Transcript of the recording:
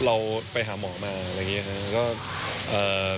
เราไปหาหมอมาอะไรอย่างนี้ครับ